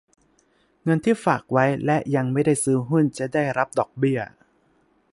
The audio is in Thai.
เงินที่ฝากไว้และยังไม่ได้ซื้อหุ้นจะได้รับดอกเบี้ย